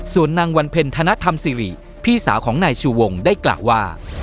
ส่วนนางวันเพ็ญธนธรรมสิริพี่สาวของนายชูวงได้กล่าวว่า